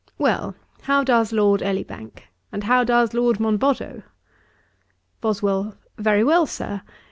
Well, how does Lord Elibank? and how does Lord Monboddo?' BOSWELL. 'Very well, Sir.